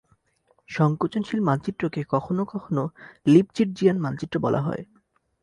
সংকোচনশীল মানচিত্রকে কখনও কখনও লিপচিটজিয়ান মানচিত্র বলা হয়।